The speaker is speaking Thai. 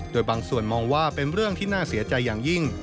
โดยบางส่วนมองว่าเป็นเรื่องที่น่าเสียใจอย่างยิ่ง